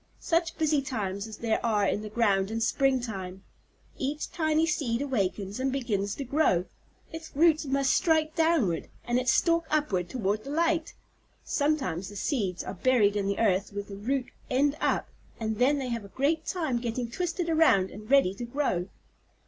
Such busy times as there are in the ground in spring time! Each tiny seed awakens and begins to grow. Its roots must strike downward, and its stalk upward toward the light. Sometimes the seeds are buried in the earth with the root end up, and then they have a great time getting twisted around and ready to grow."